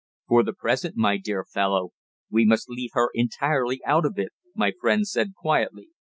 "For the present, my dear fellow, we must leave her entirely out of it," my friend said quietly.